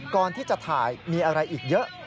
ก่อนที่จะถ่ายมีอะไรอีกเยอะ